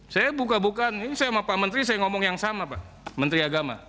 saya buka bukaan ini saya sama pak menteri saya ngomong yang sama pak menteri agama